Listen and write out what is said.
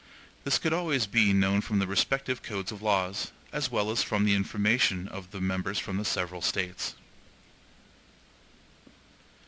This could always be known from the respective codes of laws, as well as from the information of the members from the several States.